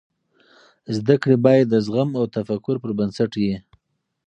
زده کړې باید د زغم او تفکر پر بنسټ وي.